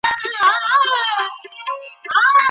اوس انځورګر په رڼو سترګو،